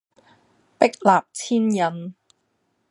壁立千仞